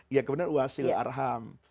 ya kebetulan wasilul arham